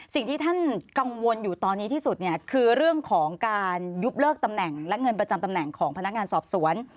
สิ่งที่ท่านกังวลอยู่ตอนนี้ที่สุดเนี่ยคือเรื่องของการยุบเลิกตำแหน่งและเงินประจำตำแหน่งของพนักงานสอบสวน